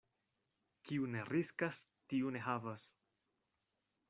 Kiu ne riskas, tiu ne havas.